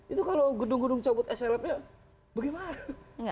itu kalau gedung gedung cabut slp bagaimana